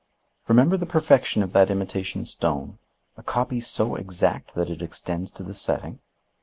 "Remember the perfection of that imitation stone, a copy so exact that it extends to the setting.